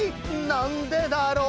「なんでだろう」